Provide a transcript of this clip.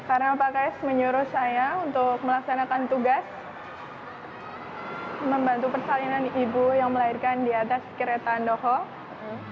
karena pak ks menyuruh saya untuk melaksanakan tugas membantu persalinan ibu yang melahirkan di atas kereta andoho